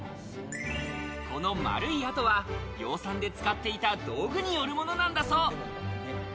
この丸いあとは、養蚕で使っていた道具によるものなんだそう。